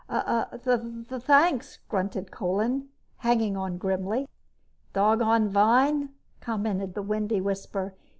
"Th thanks!" grunted Kolin, hanging on grimly. "Doggone vine!" commented the windy whisper.